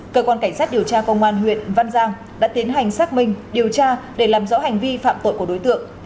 cơ quan cảnh sát điều tra công an huyện văn giang đã tiến hành xác minh điều tra để làm rõ hành vi phạm tội của đối tượng